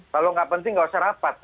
kalau tidak penting tidak usah rapat